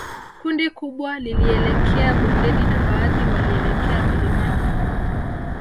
Kundi kubwa lilielekea bondeni na baadhi walielekea milimani